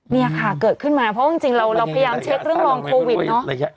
นี่ค่ะเกิดขึ้นมาเพราะจริงเราพยายามเช็คเรื่องรองโควิดเนาะ